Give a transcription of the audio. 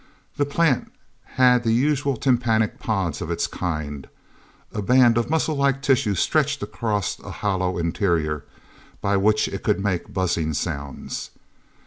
The plant had the usual tympanic pods of its kind a band of muscle like tissue stretched across a hollow interior by which it could make buzzing sounds.